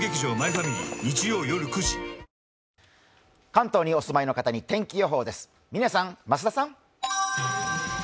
関東にお住まいの方に天気予報です、嶺さん、増田さん。